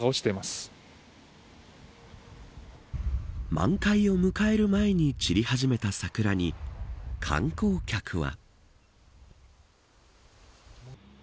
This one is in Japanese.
満開を迎える前に散り始めた桜に観光客は。